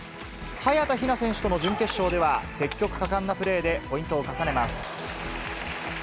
早田ひな選手との準決勝では、積極果敢なプレーでポイントを重ねます。